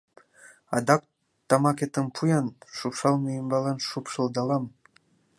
Адак тамакетым пу-ян: шупшалме ӱмбалан шупшылдалам.